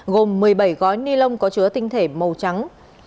gồm một mươi bảy gói ni lông có chứa tinh thể màu trắng